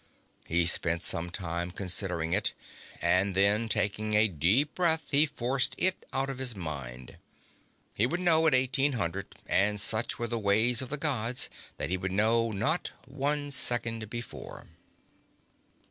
He spent some time considering it, and then, taking a deep breath, he forced it out of his mind. He would know at eighteen hundred, and such were the ways of the Gods that he would not know one second before.